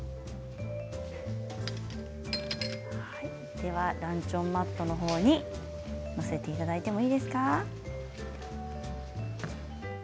ではランチョンマットのほうに載せていただいてもいいですか。